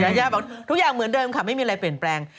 ยาย่าบอกทุกอย่างเหมือนเดิมค่ะไม่มีอะไรเปลี่ยนแปลง